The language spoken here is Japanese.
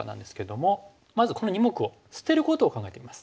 まずこの２目を捨てることを考えてみます。